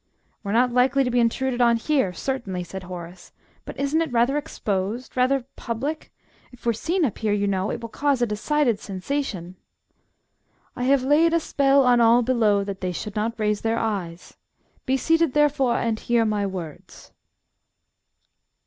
"We're not likely to be intruded on here, certainly," said Horace. "But isn't it rather exposed, rather public? If we're seen up here, you know, it will cause a decided sensation." "I have laid a spell on all below that they should not raise their eyes. Be seated, therefore, and hear my words."